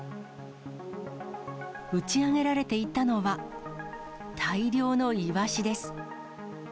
打ち上げられていたのは、大量のイワシです。